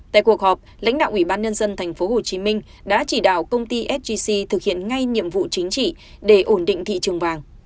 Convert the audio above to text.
tại cuộc họp lãnh đạo ủy ban nhân dân thành phố hồ chí minh đã chỉ đạo công ty sgc thực hiện ngay nhiệm vụ chính trị để ổn định thị trường vàng